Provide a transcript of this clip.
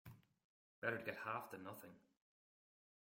Better to get half than nothing.